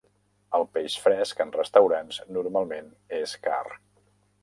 El peix fresc en restaurants normalment és car.